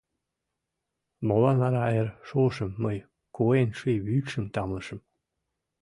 Молан вара эр шошым мый Куэн ший вӱдшым тамлышым?